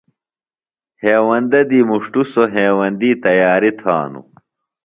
ہیوندہ دی مُݜٹوۡ سوۡ ہیوندی تیاریۡ تھانوۡ۔